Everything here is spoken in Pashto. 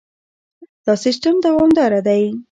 دا سیستم دوامدار دی.